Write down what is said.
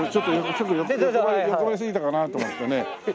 ちょっと欲張りすぎたかなと思ってね。